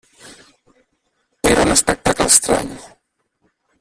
Era un espectacle estrany.